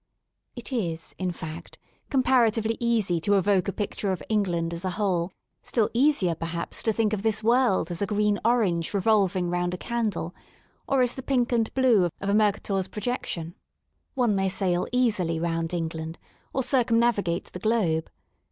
It is, in fact, comparatively easy to evoke a picture of England as a whole, still easier, perhaps, to think of this world as a green orange revolving round a candle, or as the pink and blue of a Mercator's projection. One may sail easily round E/igland, or circumnavigate the globe.